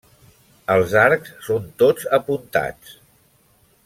Els arcs són tots apuntats.